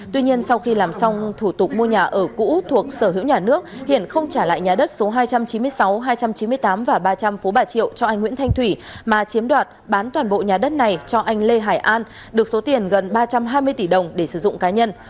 tuy nhiên sau khi làm xong thủ tục mua nhà ở cũ thuộc sở hữu nhà nước hiện không trả lại nhà đất số hai trăm chín mươi sáu hai trăm chín mươi tám và ba trăm linh phố bà triệu cho anh nguyễn thanh thủy mà chiếm đoạt bán toàn bộ nhà đất này cho anh lê hải an được số tiền gần ba trăm hai mươi tỷ đồng để sử dụng cá nhân